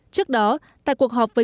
trước đó tại cuộc họp với